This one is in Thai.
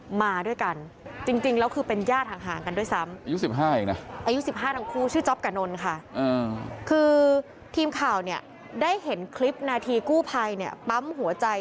หมายถึงว่าก่อนหน้าจะเกิดเวทใช่ไหมคะเราได้ได้ยินเสียงเบิ้ลรถอยู่แล้วใช่